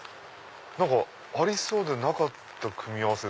ありそうでなかった組み合わせ。